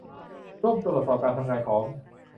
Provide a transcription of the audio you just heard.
ร่วมตรวจสอบการทำงานของ